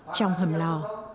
trong hầm lò